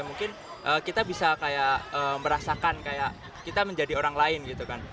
mungkin kita bisa kayak merasakan kayak kita menjadi orang lain gitu kan